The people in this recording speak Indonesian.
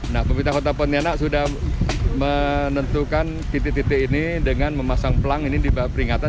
nah pemerintah kota pontianak sudah menentukan titik titik ini dengan memasang pelang ini di bawah peringatan